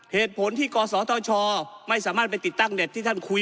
เหตุผลที่กศธชไม่สามารถไปติดตั้งเน็ตที่ท่านคุย